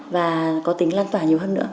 và có tính lan tỏa nhiều hơn nữa